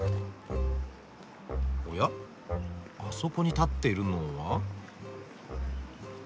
おやあそこに立っているのは？